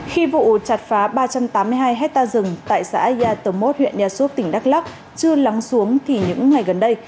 khi vụ chặt phá ba trăm tám mươi hai hectare rừng tại xã yatomot huyện nha súp tỉnh đắk lắc chưa lắng xuống thì những ngày gần đây